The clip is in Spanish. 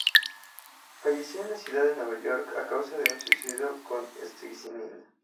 Falleció en la ciudad de Nueva York a causa de un suicidio con estricnina.